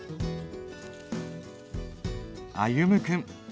歩夢君。